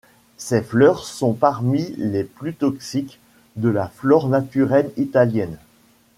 Ses fleurs sont parmi les plus toxiques de la flore naturelle italienne.